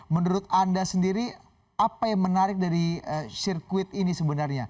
menurut anda sendiri apa yang menarik dari sirkuit ini sebenarnya